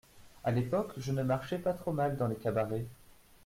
À l’époque, je ne marchais pas trop mal dans les cabarets.